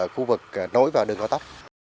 khu vực nối vào đường cao tốc